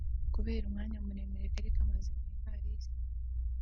kubera umwanya muremure kari kamaze mu ivalisi